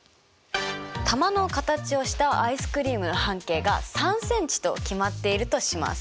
球の形をしたアイスクリームの半径が３ｃｍと決まっているとします。